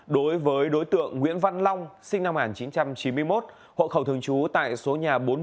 đối với đối tượng nguyễn văn long sinh năm một nghìn chín trăm chín mươi một hộ khẩu thường trú tại số nhà bốn trăm bảy mươi